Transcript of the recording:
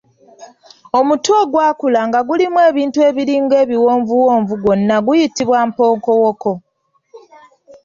Omutwe ogwakula nga gulimu ebintu ebiringa ebiwonvuwonvu gwonna guyitibwa mpookowooko.